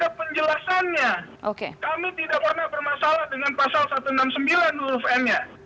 ada penjelasannya kami tidak pernah bermasalah dengan pasal satu ratus enam puluh sembilan huruf n nya